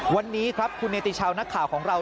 วันนี้ครับคุณเนติชาวนักข่าวของเรา